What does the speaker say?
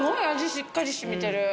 しっかり染みてる。